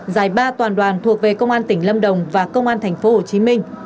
giải ba toàn đoàn thuộc về công an tỉnh lâm đồng và công an tp hcm